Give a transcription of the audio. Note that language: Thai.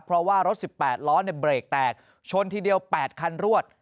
เพราะว่ารถ๑๘ล้อเบรกแตกชนทีเดียว๘คันรวด